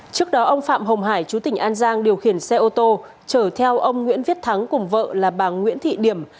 trước đó ông phạm hồng hải chú tỉnh an giang điều khiển xe ô tô chở theo ông nguyễn viết thắng cùng vợ là bà nguyễn thị điểm